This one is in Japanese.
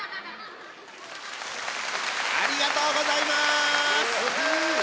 ありがとうございます！